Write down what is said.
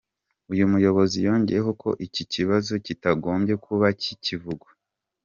Uyu muyobozi yongeyeho ko iki kibazo kitagombye kuba kikivugwa.